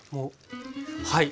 はい。